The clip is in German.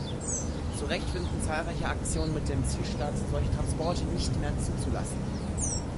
Zu Recht finden zahlreiche Aktionen mit dem Ziel statt, solche Transporte nicht mehr zuzulassen.